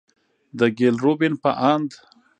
د ګيل روبين په اند،